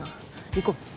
行こう。